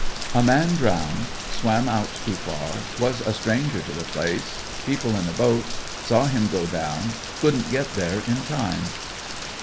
'A man drowned swam out too far was a stranger to the place people in boat saw him go down couldn't get there in time.'